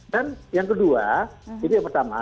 dan yang kedua ini yang pertama